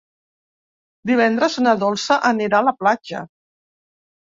Divendres na Dolça anirà a la platja.